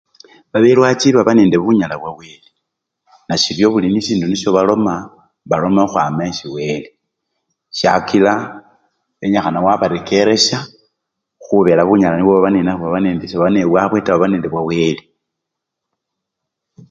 Babelwachi baba nende bunyala bwa wele, nasiryo buli esindy nisyo baloma, baloma okhwama esi wele, syakila enyikhana wabarekeresya khubela bunyala nibwo baba nenabwo sebaba nende bubwabe ta baba nende bwawele.